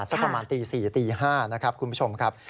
สักประมาณตี๔ตี๕นะครับคุณผู้ชมครับ